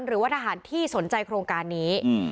หรือว่าทหารที่สนใจโครงการนี้